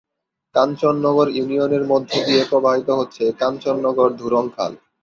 কাঞ্চননগর ইউনিয়নের মধ্য দিয়ে প্রবাহিত হচ্ছে কাঞ্চননগর ধুরুং খাল।